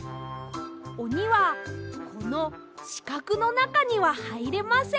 「おにはこのしかくのなかにははいれません」。